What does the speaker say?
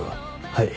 はい。